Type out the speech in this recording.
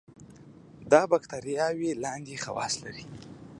دا باکتریاوې لاندې خواص لري.